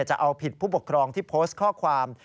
จะเอาผิดผู้ปกครองที่โพสต์ข้อความ